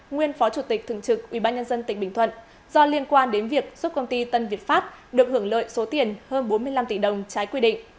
nguyên phó chủ tịch thường trực ubnd tỉnh bình thuận do liên quan đến việc giúp công ty tân việt pháp được hưởng lợi số tiền hơn bốn mươi năm tỷ đồng trái quy định